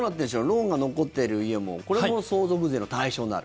ローンが残ってる家もこれも相続税の対象になる？